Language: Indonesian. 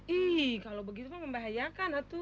ih kalau begitu membahayakan atu